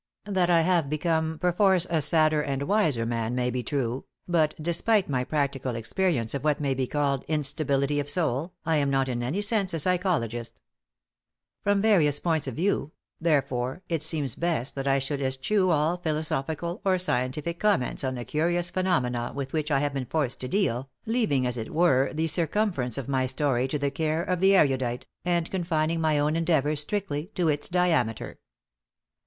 That I have become perforce a sadder and wiser man may be true, but, despite my practical experience of what may be called instability of soul, I am not in any sense a psychologist. From various points of view; therefore, it seems best that I should eschew all philosophical or scientific comments on the curious phenomena with which I have been forced to deal, leaving, as it were, the circumference of my story to the care of the erudite, and confining my own endeavors strictly to its diameter.